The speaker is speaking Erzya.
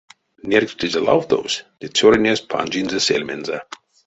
Нерькстызе лавтовс, ды цёрынесь панжинзе сельмензэ.